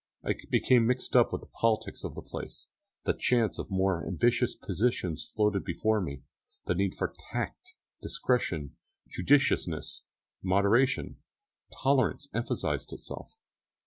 I became mixed up with the politics of the place, the chance of more ambitious positions floated before me; the need for tact, discretion, judiciousness, moderation, tolerance emphasized itself.